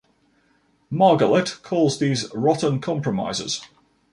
Margalit calls these rotten compromises.